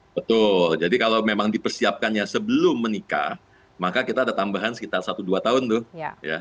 betul jadi kalau memang dipersiapkannya sebelum menikah maka kita ada tambahan sekitar satu dua tahun tuh